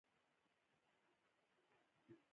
یو مذهبي کتاب د یوه مبهم متن په توګه تصور کړو.